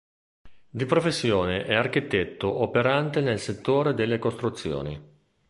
Di professione è architetto operante nel settore delle costruzioni.